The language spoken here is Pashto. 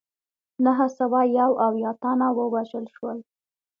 نهه سوه یو اویا تنه ووژل شول.